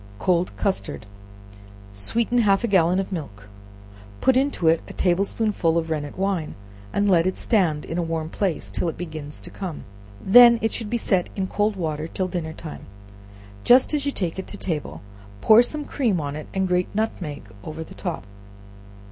Cold Custard. Sweeten half a gallon of milk, put into it a table spoonful of rennet wine, and let it stand in a warm place till it begins to come, when it should be set in cold water till dinner time; just as you take it to table, pour some cream on it, and grate nutmeg over the top.